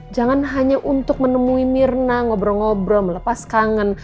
jangan hanya untuk menemui mirna ngobrol ngobrol lepas kangen